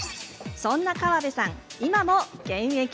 そんな川邉さん、今も現役。